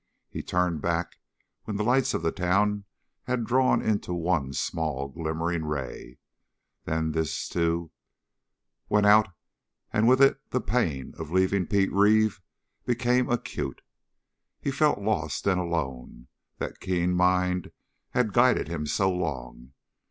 He turned back when the lights of the town had drawn into one small, glimmering ray. Then this, too, went out, and with it the pain of leaving Pete Reeve became acute. He felt lost and alone, that keen mind had guided him so long.